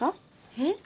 えっ？